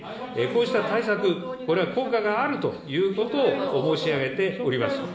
こうした対策、これは効果があるということを申し上げております。